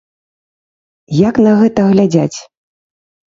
Як на гэта глядзяць?